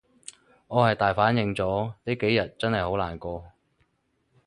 我係大反應咗，呢幾日真係好難過